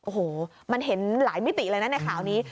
โอ้โหมันเห็นหลายมิติเลยนะในข่าวนี้